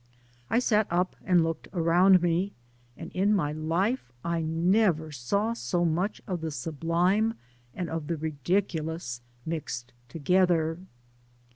I sat up and looked around me, and in my life I never saw so much of the sublime and of the ridiculous mixed together.